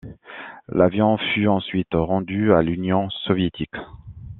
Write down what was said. L'avion fut ensuite rendu à l'Union soviétique.